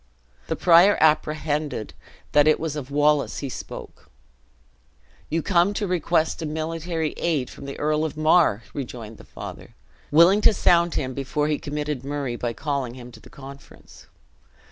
The prior apprehended that it was of Wallace he spoke. "You come to request a military aid from the Earl of Mar!" rejoined the father, willing to sound him, before he committed Murray, by calling him to the conference.